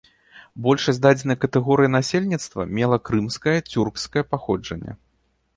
Большасць дадзенай катэгорыі насельніцтва мела крымскае цюркскае паходжанне.